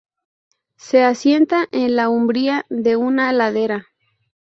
Se asienta en la umbría de una ladera.